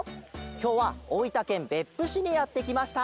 きょうはおおいたけんべっぷしにやってきました。